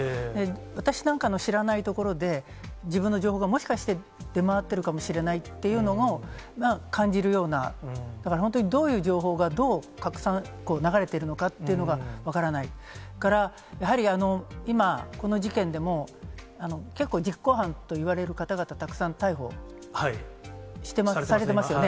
私なんかの知らないところで、自分の情報がもしかして出回っているかもしれないっていうのを、感じるような、だから本当にどういう情報が、どう拡散、流れているのかっていうのが分からないから、やはり今、この事件でも結構、実行犯といわれる方々、たくさん逮捕されてますよね。